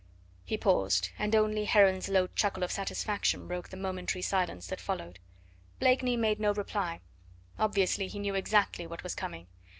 He paused, and only Heron's low chuckle of satisfaction broke the momentary silence that followed. Blakeney made no reply. Obviously he knew exactly what was coming.